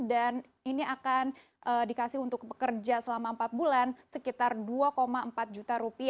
dan ini akan dikasih untuk pekerja selama empat bulan sekitar rp dua empat juta